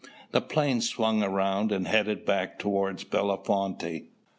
The plane swung around and headed back toward Bellefonte.